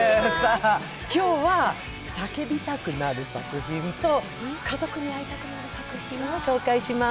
今日は叫びたくなる作品と家族に会いたくなる作品を紹介します。